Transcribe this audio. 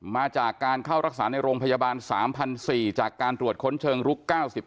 มาจากการเข้ารักษาในโรงพยาบาล๓๔๐๐จากการตรวจค้นเชิงลุก๙๙